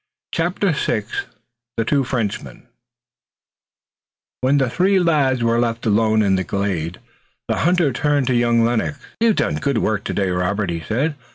CHAPTER VI THE TWO FRENCHMEN When the three were left alone in the glade the hunter turned to young Lennox. "You've done good work today, Robert," he said.